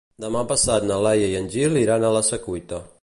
Demà passat na Laia i en Gil iran a la Secuita.